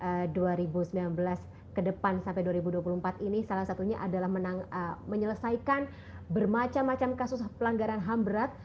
di dua ribu sembilan belas ke depan sampai dua ribu dua puluh empat ini salah satunya adalah menyelesaikan bermacam macam kasus pelanggaran ham berat